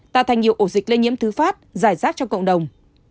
tạo thành nhiều ổ dịch lây nhiễm thứ phát giải rác trong cộng đồng